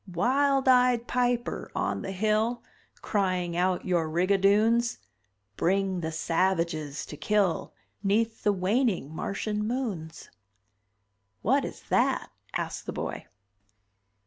"Wild eyed Piper on the hill, Crying out your rigadoons, Bring the savages to kill 'Neath the waning Martian moons!" "What is that?" asked the boy.